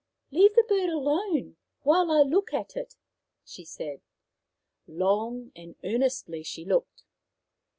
" Leave the bird alone while I look at it," she said. Long and earnestly she looked.